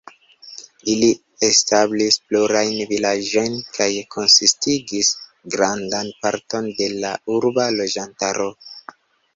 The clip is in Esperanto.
Ili establis plurajn vilaĝojn kaj konsistigis grandan parton de la urba loĝantaro.